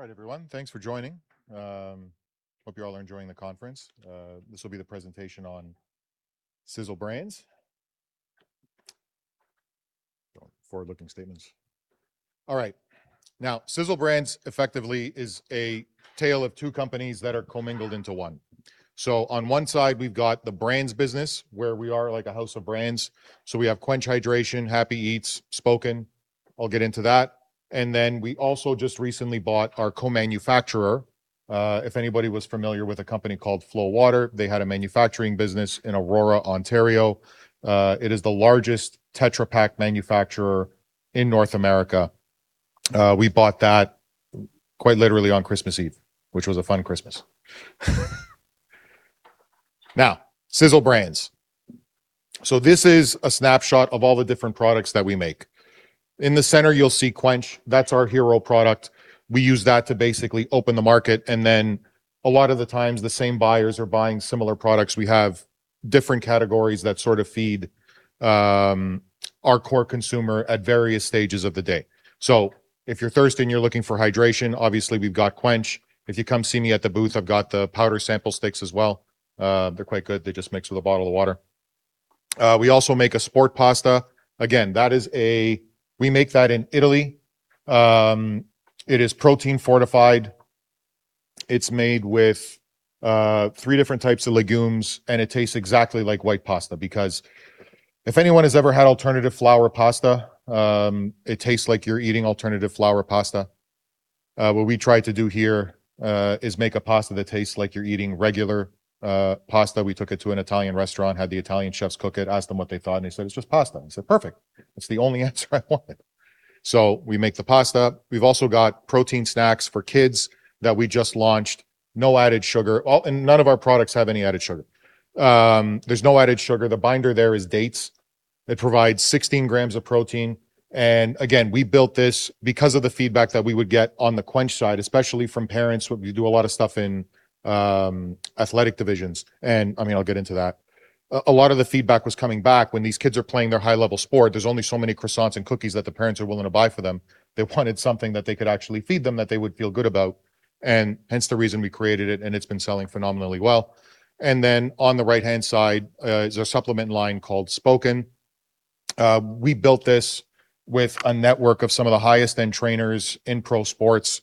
All right, everyone. Thanks for joining. Hope you all are enjoying the conference. This will be the presentation on Cizzle Brands. Forward-looking statements. Cizzle Brands effectively is a tale of two companies that are co-mingled into one. On one side, we've got the brands business, where we are like a house of brands. We have CWENCH Hydration, HappiEats, Spoken. I'll get into that. We also just recently bought our co-manufacturer. If anybody was familiar with a company called Flow Water, they had a manufacturing business in Aurora, Ontario. It is the largest Tetra Pak manufacturer in North America. We bought that quite literally on Christmas Eve, which was a fun Christmas. Cizzle Brands. This is a snapshot of all the different products that we make. In the center, you'll see CWENCH. That's our hero product. We use that to basically open the market, a lot of the times, the same buyers are buying similar products. We have different categories that sort of feed our core consumer at various stages of the day. If you're thirsty and you're looking for hydration, obviously we've got CWENCH. If you come see me at the booth, I've got the powder sample sticks as well. They're quite good. They just mix with a bottle of water. We also make a Sport Pasta. Again, we make that in Italy. It is protein fortified, it's made with three different types of legumes, and it tastes exactly like white pasta. If anyone has ever had alternative flour pasta, it tastes like you're eating alternative flour pasta. What we try to do here is make a pasta that tastes like you're eating regular pasta. We took it to an Italian restaurant, had the Italian chefs cook it, asked them what they thought, they said, "It's just pasta." I said, "Perfect. That's the only answer I wanted." We make the pasta. We've also got protein snacks for kids that we just launched. No added sugar, none of our products have any added sugar. There's no added sugar. The binder there is dates. It provides 16 g of protein, again, we built this because of the feedback that we would get on the CWENCH side, especially from parents. We do a lot of stuff in athletic divisions, I mean, I'll get into that. A lot of the feedback was coming back when these kids are playing their high-level sport, there's only so many croissants and cookies that the parents are willing to buy for them. They wanted something that they could actually feed them that they would feel good about, hence the reason we created it's been selling phenomenally well. On the right-hand side is a supplement line called Spoken. We built this with a network of some of the highest-end trainers in pro sports.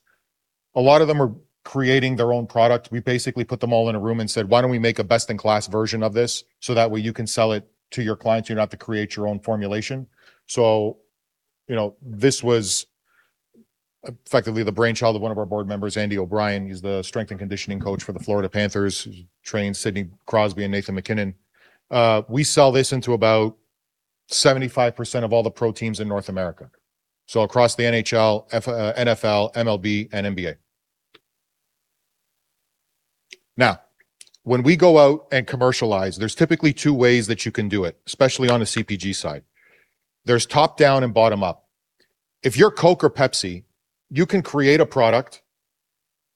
A lot of them are creating their own product. We basically put them all in a room said, "Why don't we make a best-in-class version of this, that way you can sell it to your clients. You don't have to create your own formulation." This was effectively the brainchild of one of our board members, Andy O'Brien. He's the strength and conditioning coach for the Florida Panthers. He's trained Sidney Crosby and Nathan MacKinnon. We sell this into about 75% of all the pro teams in North America, across the NHL, NFL, MLB, and NBA. When we go out and commercialize, there's typically two ways that you can do it, especially on the CPG side. There's top-down and bottom-up. If you're Coke or Pepsi, you can create a product,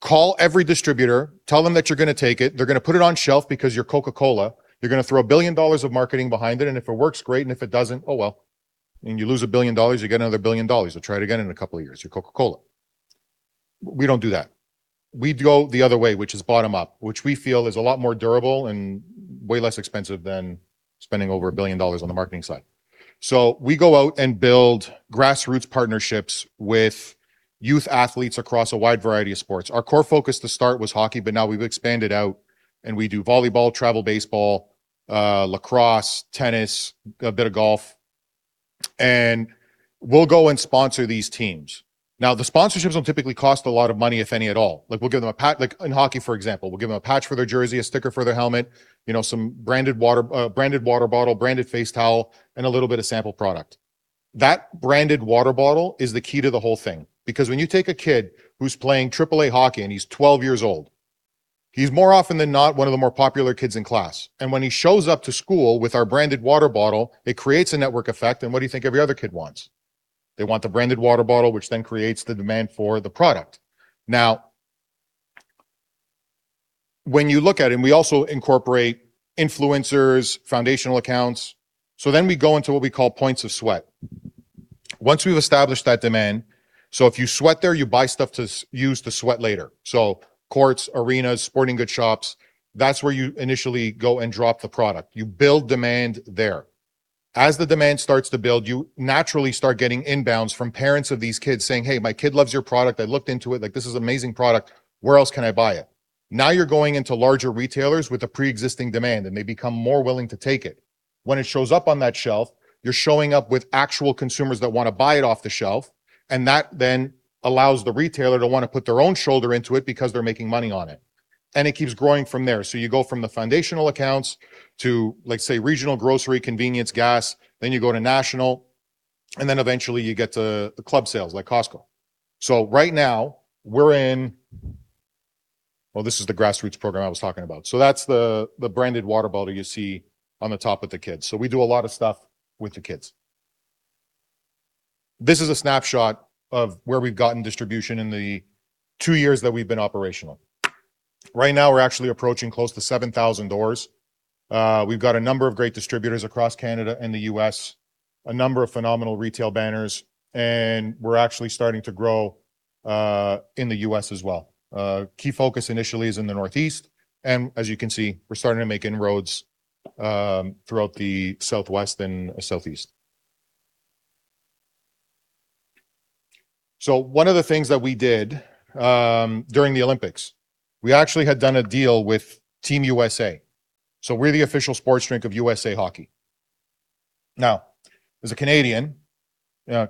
call every distributor, tell them that you're going to take it. They're going to put it on shelf because you're Coca-Cola. You're going to throw 1 billion dollars of marketing behind it, and if it works, great, and if it doesn't, oh, well. I mean, you lose 1 billion dollars, you get another 1 billion dollars. Try it again in a couple of years. You're Coca-Cola. We don't do that. We go the other way, which is bottom-up, which we feel is a lot more durable and way less expensive than spending over 1 billion dollars on the marketing side. We go out and build grassroots partnerships with youth athletes across a wide variety of sports. Our core focus to start was hockey, but now we've expanded out and we do volleyball, travel baseball, lacrosse, tennis, a bit of golf, and we'll go and sponsor these teams. The sponsorships don't typically cost a lot of money, if any at all. In hockey, for example, we'll give them a patch for their jersey, a sticker for their helmet, some branded water bottle, branded face towel, and a little bit of sample product. That branded water bottle is the key to the whole thing because when you take a kid who's playing AAA hockey and he's 12 years old, he's more often than not one of the more popular kids in class. When he shows up to school with our branded water bottle, it creates a network effect, and what do you think every other kid wants? They want the branded water bottle, which then creates the demand for the product. When you look at it, and we also incorporate influencers, foundational accounts, we go into what we call points of sweat. Once we've established that demand, if you sweat there, you buy stuff to use to sweat later. Courts, arenas, sporting goods shops, that's where you initially go and drop the product. You build demand there. As the demand starts to build, you naturally start getting inbounds from parents of these kids saying, "Hey, my kid loves your product. I looked into it. This is amazing product. Where else can I buy it?" You're going into larger retailers with a preexisting demand, and they become more willing to take it. When it shows up on that shelf, you're showing up with actual consumers that want to buy it off the shelf, and that then allows the retailer to want to put their own shoulder into it because they're making money on it, and it keeps growing from there. You go from the foundational accounts to, say, regional grocery, convenience, gas, then you go to national, and then eventually you get to the club sales, like Costco. Well, this is the grassroots program I was talking about. That's the branded water bottle you see on the top of the kids. We do a lot of stuff with the kids. This is a snapshot of where we've gotten distribution in the two years that we've been operational. Right now, we're actually approaching close to 7,000 doors. We've got a number of great distributors across Canada and the U.S., a number of phenomenal retail banners, and we're actually starting to grow in the U.S. as well. Key focus initially is in the Northeast, and as you can see, we're starting to make inroads throughout the Southwest and Southeast. One of the things that we did during the Olympics, we actually had done a deal with Team USA, we're the official sports drink of USA Hockey. As a Canadian,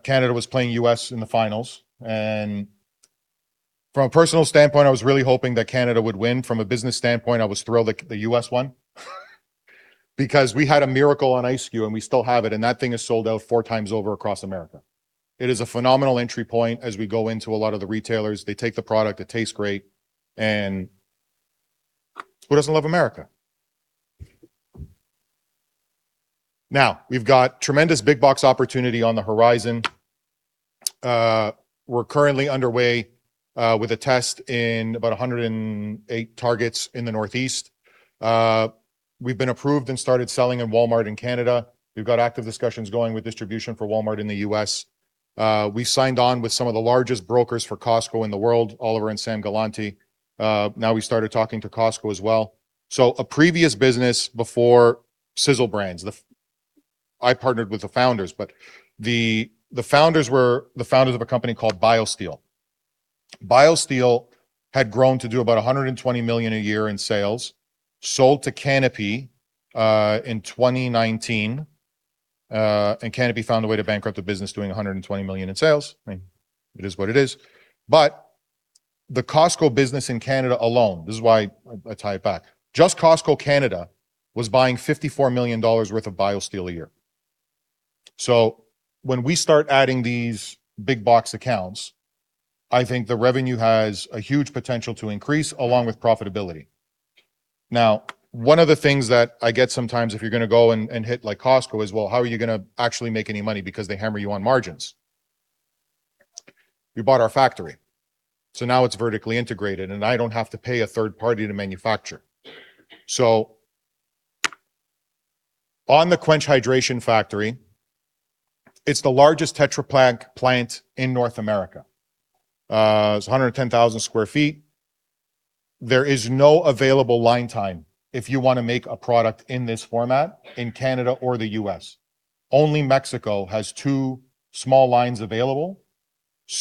Canada was playing U.S. in the finals, and from a personal standpoint, I was really hoping that Canada would win. From a business standpoint, I was thrilled that the U.S. won because we had a Miracle on Ice SKU, and we still have it, and that thing is sold out 4x over across America. It is a phenomenal entry point as we go into a lot of the retailers. They take the product, it tastes great, and who doesn't love America? We've got tremendous big box opportunity on the horizon. We're currently underway with a test in about 108 targets in the Northeast. We've been approved and started selling in Walmart in Canada. We've got active discussions going with distribution for Walmart in the U.S. We signed on with some of the largest brokers for Costco in the world, Oliver and Sam Galanti. We started talking to Costco as well. A previous business before Cizzle Brands, I partnered with the founders, but the founders were the founders of a company called BioSteel. BioSteel had grown to do about 120 million a year in sales, sold to Canopy in 2019. Canopy found a way to bankrupt a business doing 120 million in sales. It is what it is. But the Costco business in Canada alone, this is why I tie it back, just Costco Canada was buying 54 million dollars worth of BioSteel a year. When we start adding these big box accounts, I think the revenue has a huge potential to increase along with profitability. One of the things that I get sometimes if you're going to go and hit Costco is, "Well, how are you going to actually make any money because they hammer you on margins?" We bought our factory, so now it's vertically integrated, and I don't have to pay a third party to manufacture. On the CWENCH Hydration factory, it's the largest Tetra Pak plant in North America. It's 110,000 sq ft. There is no available line time if you want to make a product in this format in Canada or the U.S. Only Mexico has two small lines available. If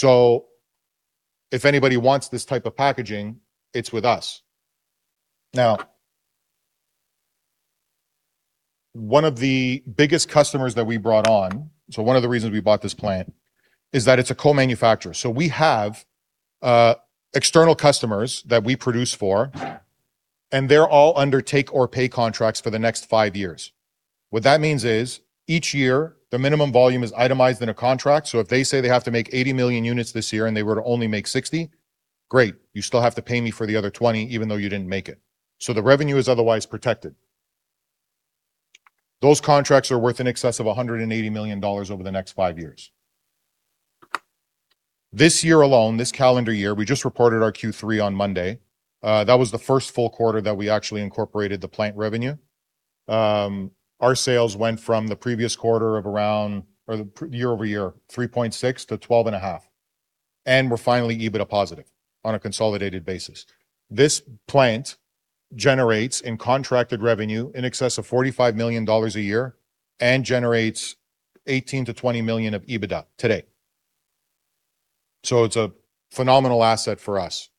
anybody wants this type of packaging, it's with us. One of the biggest customers that we brought on, one of the reasons we bought this plant, is that it's a co-manufacturer. We have external customers that we produce for, and they're all under take-or-pay contracts for the next five years. What that means is, each year, the minimum volume is itemized in a contract. If they say they have to make 80 million units this year and they were to only make 60, great, you still have to pay me for the other 20 even though you didn't make it. The revenue is otherwise protected. Those contracts are worth in excess of 180 million dollars over the next five years. This year alone, this calendar year, we just reported our Q3 on Monday. That was the first full quarter that we actually incorporated the plant revenue. Our sales went from the previous quarter of around, or the year-over-year, 3.6-12.5. And we're finally EBITDA positive on a consolidated basis. It's a phenomenal asset for us.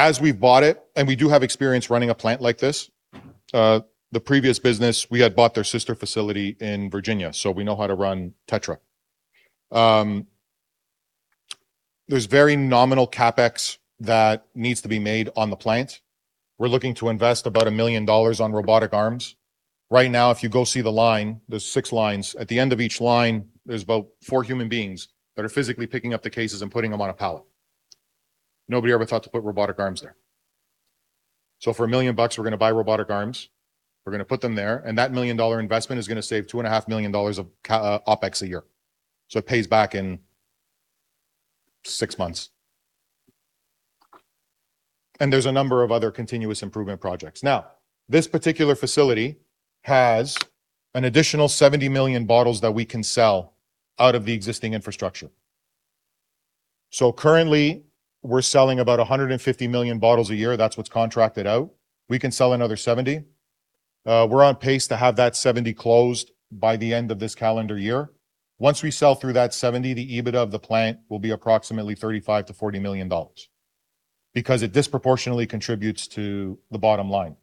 As we've bought it, and we do have experience running a plant like this. The previous business, we had bought their sister facility in Virginia, so we know how to run Tetra. There's very nominal CapEx that needs to be made on the plant. We're looking to invest about 1 million dollars on robotic arms. Right now, if you go see the line, there's six lines. At the end of each line, there's about four human beings that are physically picking up the cases and putting them on a pallet. Nobody ever thought to put robotic arms there. For 1 million bucks, we're going to buy robotic arms. We're going to put them there, and that 1 million dollar investment is going to save 2.5 million dollars of OpEx a year. It pays back in six months. And there's a number of other continuous improvement projects. Now, this particular facility has an additional 70 million bottles that we can sell out of the existing infrastructure. Currently, we're selling about 150 million bottles a year. That's what's contracted out. We can sell another 70. We're on pace to have that 70 closed by the end of this calendar year. Once we sell through that 70, the EBITDA of the plant will be approximately 35 million-40 million dollars because it disproportionately contributes to the bottom line.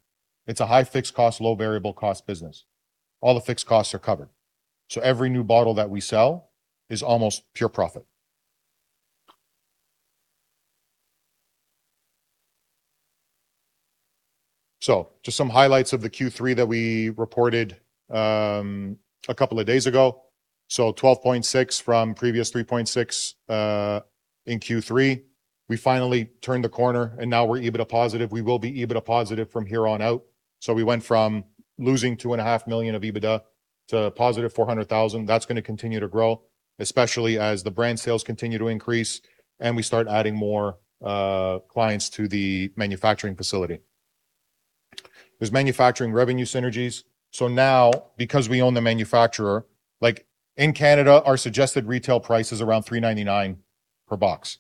It's a high fixed cost, low variable cost business. All the fixed costs are covered. Every new bottle that we sell is almost pure profit. Just some highlights of the Q3 that we reported a couple of days ago. 12.6 from previous 3.6. In Q3, we finally turned the corner and now we're EBITDA positive. We will be EBITDA positive from here on out. We went from losing 2.5 million of EBITDA to a positive 400,000, that's going to continue to grow, especially as the brand sales continue to increase and we start adding more clients to the manufacturing facility. There's manufacturing revenue synergies. Now, because we own the manufacturer, in Canada, our suggested retail price is around 3.99 per box.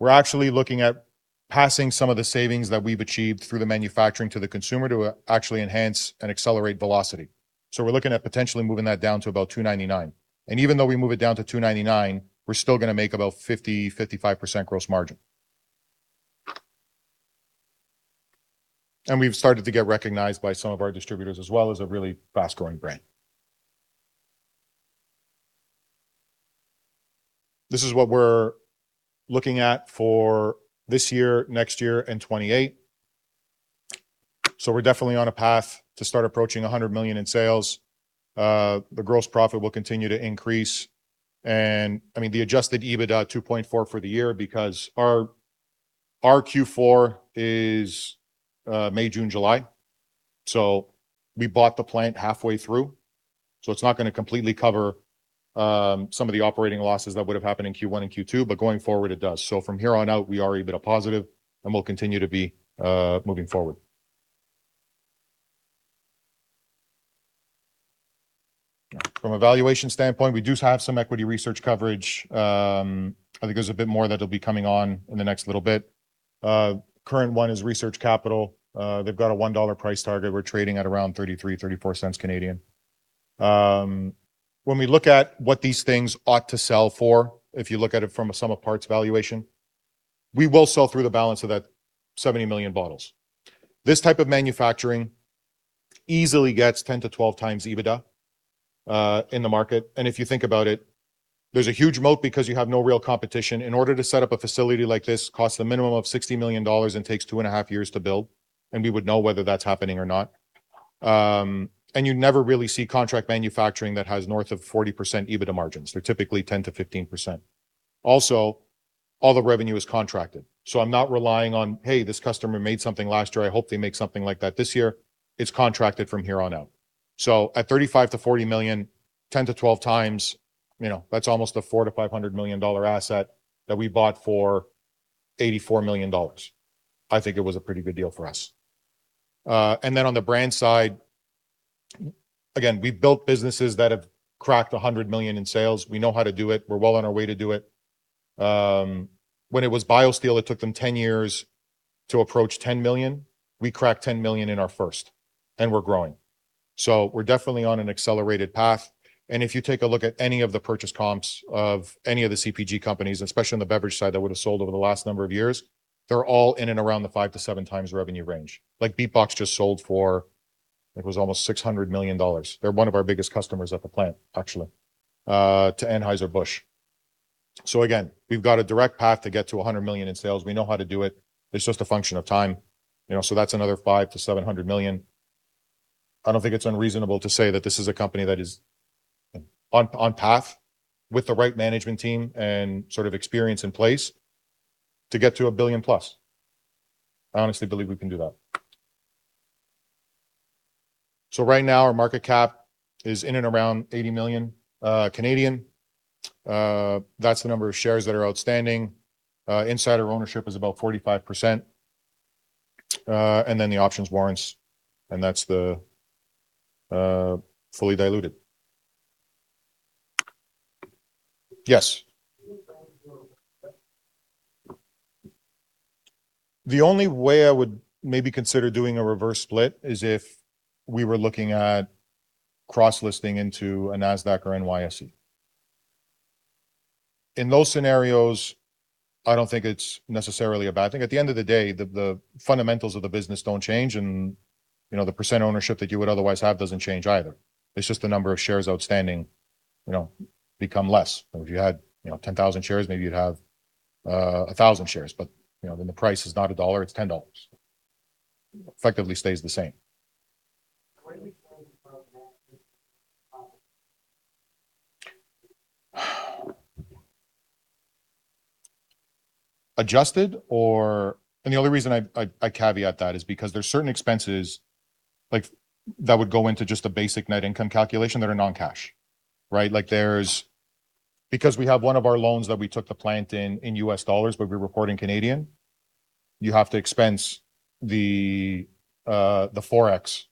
We're actually looking at passing some of the savings that we've achieved through the manufacturing to the consumer to actually enhance and accelerate velocity. We're looking at potentially moving that down to about 2.99. Even though we move it down to 2.99, we're still going to make about 50%-55% gross margin. We've started to get recognized by some of our distributors as well as a really fast-growing brand. This is what we're looking at for this year, next year, and 2028. We're definitely on a path to start approaching 100 million in sales. The gross profit will continue to increase, and the adjusted EBITDA 2.4 for the year because our Q4 is May, June, July. We bought the plant halfway through, so it's not going to completely cover some of the operating losses that would have happened in Q1 and Q2, but going forward it does. From here on out, we are EBITDA positive and will continue to be moving forward. From a valuation standpoint, we do have some equity research coverage. I think there's a bit more that'll be coming on in the next little bit. Current one is Research Capital. They've got a 1 dollar price target. We're trading at around 0.33-0.34 Canadian. When we look at what these things ought to sell for, if you look at it from a sum of parts valuation, we will sell through the balance of that 70 million bottles. This type of manufacturing easily gets 10x-12x EBITDA in the market. If you think about it, there's a huge moat because you have no real competition. In order to set up a facility like this, costs a minimum of 60 million dollars and takes two and a half years to build, and we would know whether that's happening or not. You never really see contract manufacturing that has north of 40% EBITDA margins. They're typically 10%-15%. Also, all the revenue is contracted. I'm not relying on, "Hey, this customer made something last year. I hope they make something like that this year." It's contracted from here on out. At 35 million-40 million, 10x-12x, that's almost a 400 million-500 million dollar asset that we bought for 84 million dollars. I think it was a pretty good deal for us. Then on the brand side, again, we've built businesses that have cracked 100 million in sales. We know how to do it. We're well on our way to do it. When it was BioSteel, it took them 10 years to approach 10 million. We cracked 10 million in our first, and we're growing. We're definitely on an accelerated path. If you take a look at any of the purchase comps of any of the CPG companies, especially on the beverage side that would have sold over the last number of years, they're all in and around the 5x-7x revenue range. BeatBox just sold for, I think it was almost 600 million dollars. They're one of our biggest customers at the plant, actually, to Anheuser-Busch. Again, we've got a direct path to get to 100 million in sales. We know how to do it. It's just a function of time. That's another 500 million-700 million. I don't think it's unreasonable to say that this is a company that is on path with the right management team and sort of experience in place to get to a 1 billion plus. I honestly believe we can do that. Right now our market cap is in and around 80 million. That's the number of shares that are outstanding. Insider ownership is about 45%, and then the options warrants, and that's the fully diluted. Yes. The only way I would maybe consider doing a reverse split is if we were looking at cross-listing into a Nasdaq or NYSE. In those scenarios, I don't think it's necessarily a bad thing. At the end of the day, the fundamentals of the business don't change and the % ownership that you would otherwise have doesn't change either. It's just the number of shares outstanding become less. If you had 10,000 shares, maybe you'd have 1,000 shares, but then the price is not CAD 1, it's 10 dollar. Effectively stays the same. When do you plan to break even? The only reason I caveat that is because there's certain expenses that would go into just a basic net income calculation that are non-cash, right? Because we have one of our loans that we took the plant in in USD, but we report in CAD, you have to expense the Forex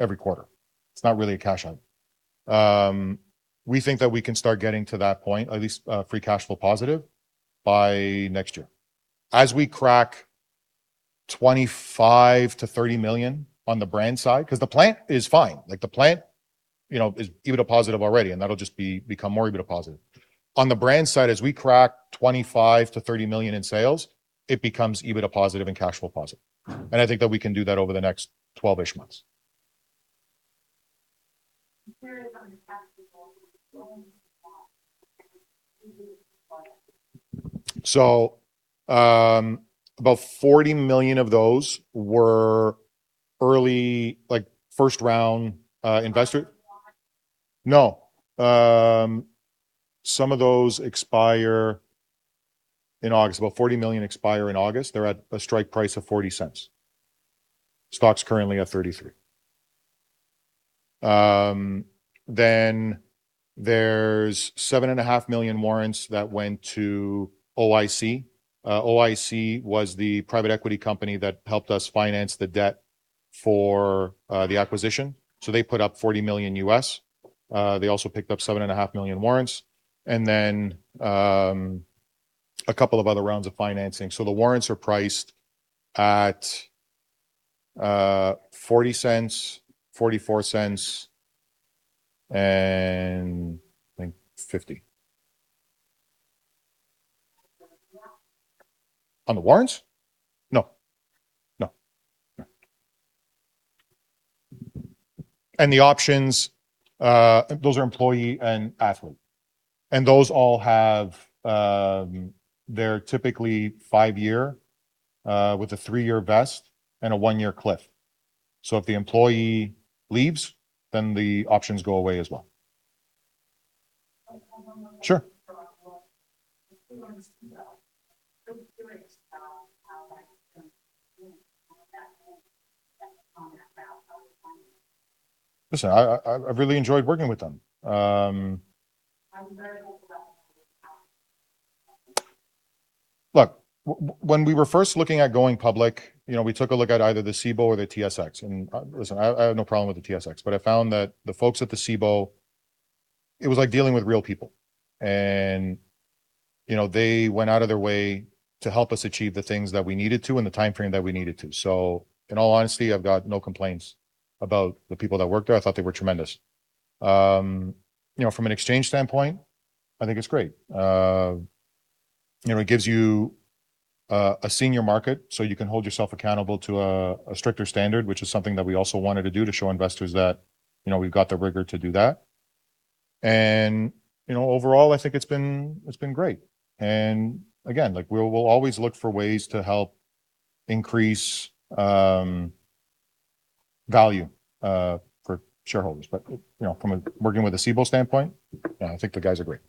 every quarter. It's not really a cash item. We think that we can start getting to that point, at least free cash flow positive, by next year. As we crack 25 million-30 million on the brand side, because the plant is fine. The plant is EBITDA positive already, and that'll just become more EBITDA positive. On the brand side, as we crack 25 million-30 million in sales, it becomes EBITDA positive and cash flow positive. I think that we can do that over the next 12-ish months. In terms of the cash flow, about 40 million of those were early first-round investor. No. Some of those expire in August. About 40 million expire in August. They're at a strike price of 0.40. Stock's currently at 0.33. There's seven and a half million warrants that went to OIC. OIC was the private equity company that helped us finance the debt for the acquisition. They put up 40 million, they also picked up seven and a half million warrants, and then a couple of other rounds of financing. The warrants are priced at 0.40, 0.44, and I think 0.50. On the warrants? No. The options, those are employee and athlete. They're typically five-year, with a three-year vest and a one-year cliff. If the employee leaves, then the options go away as well. Sure. Listen, I've really enjoyed working with them. I'm very hopeful that when we were first looking at going public, we took a look at either the Cboe or the TSX. Listen, I have no problem with the TSX, but I found that the folks at the Cboe, it was like dealing with real people. They went out of their way to help us achieve the things that we needed to in the timeframe that we needed to. In all honesty, I've got no complaints about the people that worked there. I thought they were tremendous. From an exchange standpoint, I think it's great. It gives you a senior market so you can hold yourself accountable to a stricter standard, which is something that we also wanted to do to show investors that we've got the rigor to do that. Overall, I think it's been great. Again, we'll always look for ways to help increase value for shareholders. From working with a Cboe standpoint, I think the guys are great.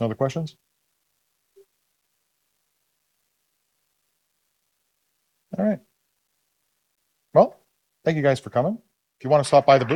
No other questions? All right. Well, thank you guys for coming. If you want to stop by the booth-